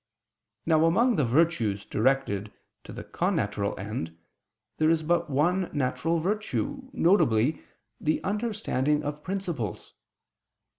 Now among the virtues directed to the connatural end there is but one natural virtue, viz. the understanding of principles.